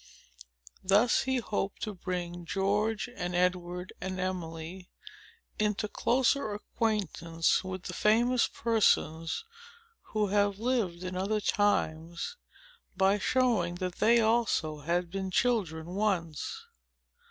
Thus he hoped to bring George, and Edward, and Emily, into closer acquaintance with the famous persons who have lived in other times, by showing that they also had been children once.